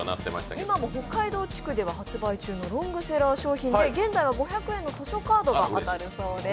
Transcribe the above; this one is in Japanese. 今も北海道地区では発売中のロングセラー商品で現在は５００円の図書カードが当たるそうです。